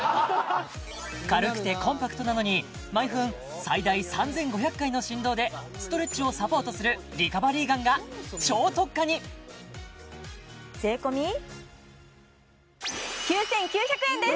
軽くてコンパクトなのに毎分最大３５００回の振動でストレッチをサポートするリカバリーガンが超特価に税込９９００円です！